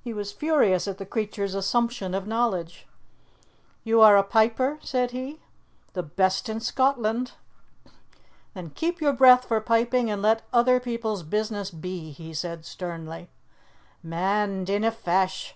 He was furious at the creature's assumption of knowledge. "You are a piper?" said he. "The best in Scotland." "Then keep your breath for piping and let other people's business be," he said sternly. "Man, dinna fash.